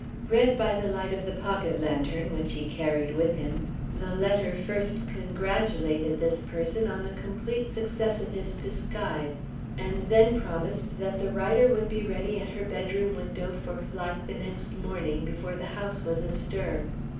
Read by the light of the pocket lantern which he carried with him, the letter first congratulated this person on the complete success of his disguise and then promised that the writer would be ready at her bedroom window for flight the next morning, before the house was astir.